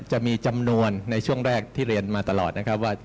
จะมีจำนวนในช่วงแรกที่เรียนมาตลอดนะครับว่า